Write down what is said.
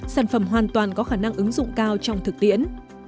sản phẩm hoàn toàn có khả năng ứng dụng cao trong thực tiễn